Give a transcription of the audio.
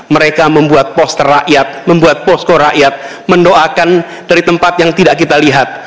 mereka membuat poster rakyat membuat posko rakyat mendoakan dari tempat yang tidak kita lihat